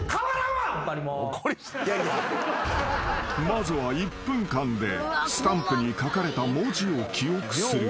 ［まずは１分間でスタンプに書かれた文字を記憶する］